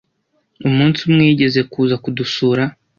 umunsi umwe yigeze kuza kudusura